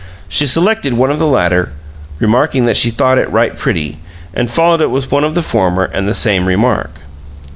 She selected one of the latter, remarking that she thought it "right pretty," and followed it with one of the former and the same remark.